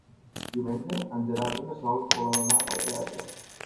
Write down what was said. Diumenge en Gerard i na Sol volen anar al teatre.